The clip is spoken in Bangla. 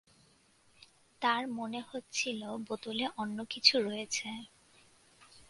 তার মনে হচ্ছিল বোতলে অন্য কিছু রয়েছে।